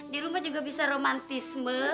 dirumah juga bisa romantisme